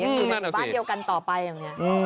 มีบัตรเกี่ยวกันต่อไปอย่างนี้